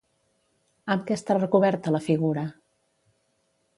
Amb què està recoberta la figura?